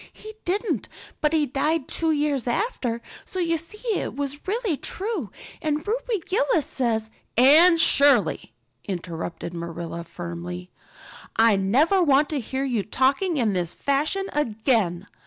He didn't, but he died two years after, so you see it was really true. And Ruby Gillis says " "Anne Shirley," interrupted Marilla firmly, "I never want to hear you talking in this fashion again.